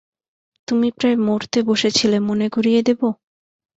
তুমি প্রায় মরতে বসেছিলে মনে করিয়ে দেব?